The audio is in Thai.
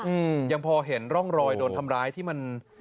อืมยังพอเห็นร่องรอยโดนทำร้ายที่มัน